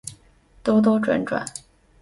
兜兜转转